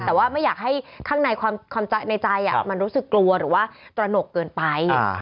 แต่ว่าไม่อยากให้ข้างในความในใจมันรู้สึกกลัวหรือว่าตระหนกเกินไป